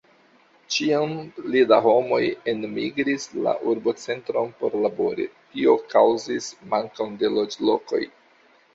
Ĉiam pli da homoj enmigris la urbocentron por labori; tio kaŭzis mankon de loĝlokoj.